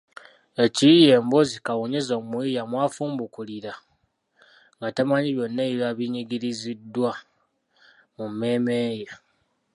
Ekiyiiye mboozi kawonyeza omuyiiya mw’afumbukulira nga tamanyi byonna ebiba binyigiriziddwa mu mmeeme ye